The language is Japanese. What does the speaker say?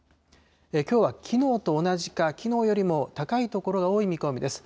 きょうはきのうと同じかきのうよりも高い所が多い見込みです。